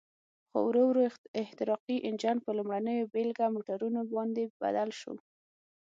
خو ورو ورو احتراقي انجن په لومړنیو بېلګه موټرونو باندې بدل شو.